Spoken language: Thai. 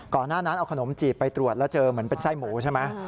หน้านั้นเอาขนมจีบไปตรวจแล้วเจอเหมือนเป็นไส้หมูใช่ไหม